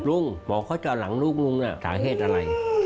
ลุงบอกเขาจะหลังลูกลุงน่ะสาเหตุอะไร